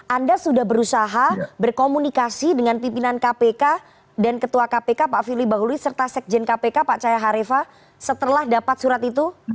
anda sudah berusaha berkomunikasi dengan pimpinan kpk dan ketua kpk pak firly bahuli serta sekjen kpk pak cahaya harifa setelah dapat surat itu